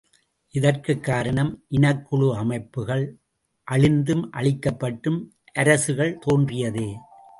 இதற்குக் காரணம் இனக்குழு அமைப்புகள், அழிந்தும், அழிக்கப்பட்டும் அரசுகள் தோன்றியதே.